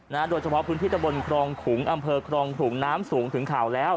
โดยเฉพาะพื้นที่ตะบนครองขุงอำเภอครองขุงน้ำสูงถึงข่าวแล้ว